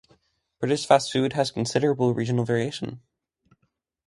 British fast food had considerable regional variation.